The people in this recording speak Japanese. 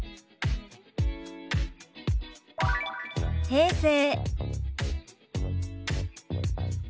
「平成」。